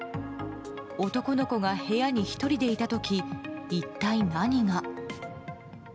男の子が部屋で１人でいた時一体何が？